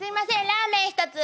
ラーメン１つ。